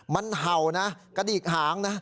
มันเห่านะกระดิกหางนะ